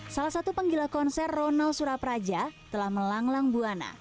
salah satu penggila konser ronald surapraja telah melanglang buana